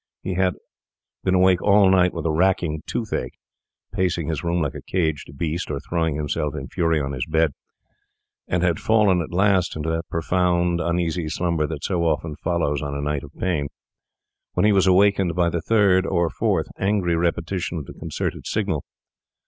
He had been awake all night with a racking toothache—pacing his room like a caged beast or throwing himself in fury on his bed—and had fallen at last into that profound, uneasy slumber that so often follows on a night of pain, when he was awakened by the third or fourth angry repetition of the concerted signal.